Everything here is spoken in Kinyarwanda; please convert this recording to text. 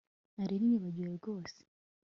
Nari nibagiwe rwose